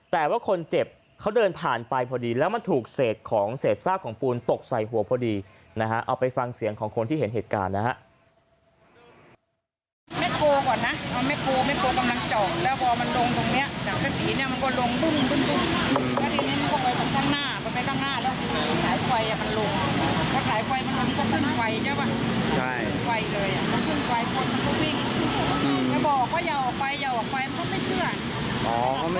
แต่ว่าคนเจ็บเขาเดินผ่านไปพอดีแล้วมันถูกเศษของเศษซากของปูนตกใส่หัวพอดีนะฮะเอาไปฟังเสียงของคนที่เห็นเหตุการณ์นะฮะ